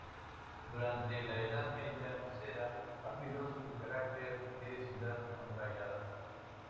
Durante la Edad Media Nocera adquirió su carácter de ciudad amurallada.